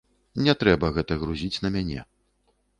Не трэба гэта грузіць на мяне.